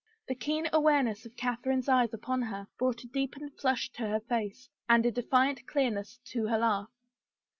The keen awareness of Catherine's eyes upon her brought a deepened flush to her face and a defiant clearness to her laugh.